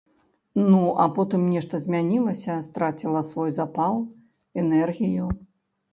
Ну, а потым нешта змянілася, страціла свой запал, энергію.